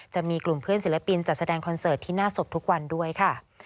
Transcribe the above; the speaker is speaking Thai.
จะมีกลุ่มเพื่อนศิลปินจัดแสดงคอนเสิร์ตที่หน้าศพทุกวันด้วยค่ะ